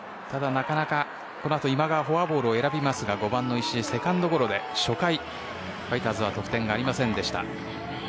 ただ、その後今川はフォアボールを選びますが５番の石井、セカンドゴロで初回、ファイターズは得点がありませんでした。